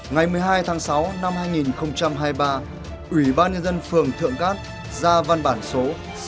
ngày một mươi hai tháng sáu năm hai nghìn hai mươi ba ủy ban nhân dân phường thượng cát ra văn bản số sáu trăm bốn mươi ba